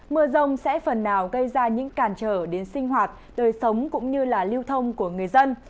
mưa rông sẽ phần nào gây ra những càn trở đến sinh hoạt đời sống cũng như lưu thông của người dân